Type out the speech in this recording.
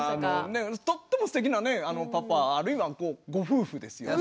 とってもすてきなねパパあるいはご夫婦ですよね。